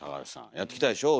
やってきたでしょう？